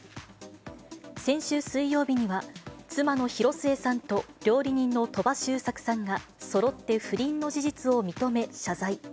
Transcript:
先週水曜日には、妻の広末さんと料理人の鳥羽周作さんがそろって不倫の事実を認め、謝罪。